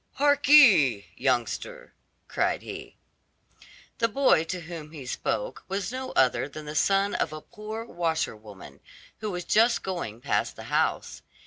"Hark 'ee, youngster!" cried he. The boy to whom he spoke was no other than the son of a poor washer woman, who was just going past the house.